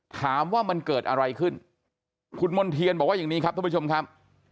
ถามว่ามันเกิดอะไรขึ้นคุณมณ์เทียนบอกว่าอย่างนี้ครับท่านผู้ชมครับ